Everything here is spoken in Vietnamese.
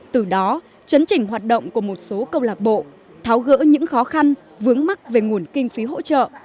từ đó chấn chỉnh hoạt động của một số câu lạc bộ tháo gỡ những khó khăn vướng mắt về nguồn kinh phí hỗ trợ